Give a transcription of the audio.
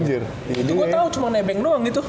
jadi gua tau cuma nebeng doang gitu